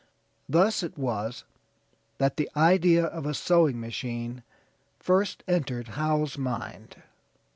Thus it was that the idea of a sewing machine first entered Howe's mind.